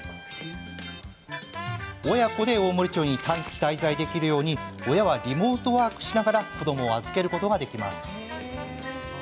親子で大森町に短期滞在できるよう親はリモートワークしながら子どもを預けることができます。